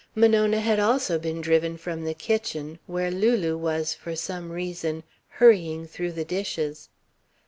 Monona had also been driven from the kitchen where Lulu was, for some reason, hurrying through the dishes.